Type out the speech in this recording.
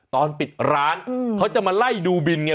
ตอนปิดร้านเขาจะมาไล่ดูบินไง